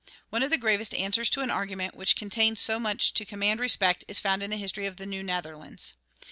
One of the gravest answers to an argument which contains so much to command respect is found in the history of the New Netherlands.